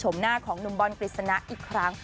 ที่ได้เห็นชมหน้าของนุมบอนกฤษณะอีกครั้ง